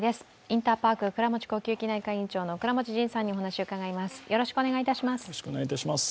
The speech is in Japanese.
インターパーク倉持呼吸器内科院長の倉持仁さんにお話を伺います。